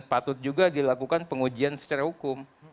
patut juga dilakukan pengujian secara hukum